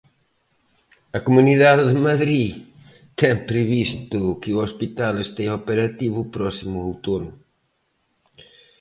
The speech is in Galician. A Comunidade de Madrid ten previsto que o hospital estea operativo o próximo outono.